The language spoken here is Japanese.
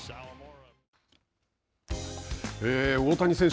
大谷選手